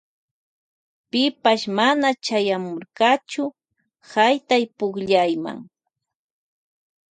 Pipash mana chayamurkachu haytaypukllayma.